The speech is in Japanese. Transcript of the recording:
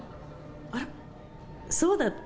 あら、そうだった。